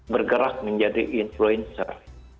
bergerak menjadi influencer